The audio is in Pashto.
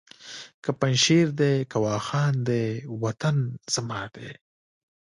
که پنجشېر دی که واخان دی وطن زما دی